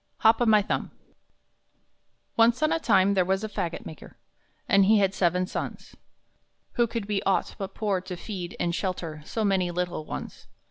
HOP O MY THUMB Once on a time there was a fagot maker, And he had seven sons. Who could be aught but poor to feed and shelter So many little ones?